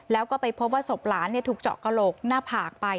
แล้วก็ไปพบว่าศพหลานถูกเจาะกระโหลกหน้าผากไป